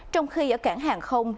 trong khi ở cảng hàng không